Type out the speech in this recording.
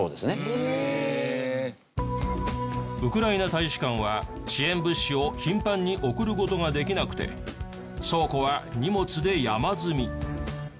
ウクライナ大使館は支援物資を頻繁に送る事ができなくて倉庫は荷物で山積み。